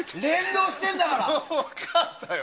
分かったよ！